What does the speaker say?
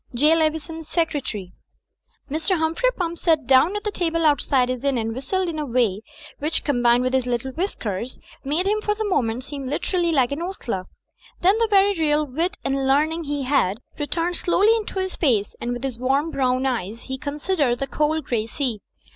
J. Lev^son, Secretary." Digitized by CjOOQ IC THE INN FINDS WINGS 43 Mr. Humphrey Pump sat down at the table out side his imi and whistled in a way which, combined with his little whiskers made him for the moment seem literally like an ostler. Then, the very real wit and learning he had returned slowly into his face and with his warm, brown eyes he considered the cold, grey sea.